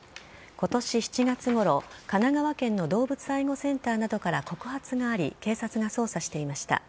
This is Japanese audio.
今年７月ごろ、神奈川県の動物愛護センターなどから告発があり警察が捜査していました。